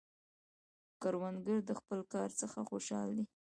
کروندګر د خپل کار څخه خوشحال دی